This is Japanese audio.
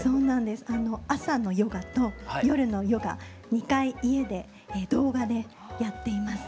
朝のヨガと夜のヨガ２回家で動画でやっています。